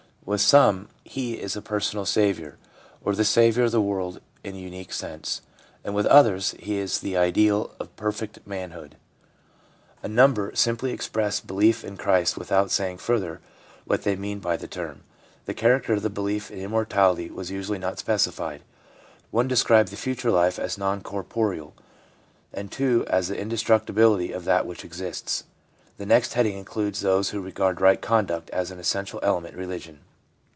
With some He is a personal Saviour, or the Saviour of the world in an unique sense ; with others He is the ideal of per fect manhood ; a number simply express belief in Christ without saying further what they mean by the term. The character of the belief in immortality was usually not specified. One described the future life as non corporeal, and two as the indestructibility of that which exists. The next heading includes those who regard right conduct as an essential element in religion.